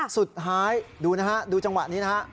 สุดท้ายดูนะฮะดูจังหวะนี้นะฮะ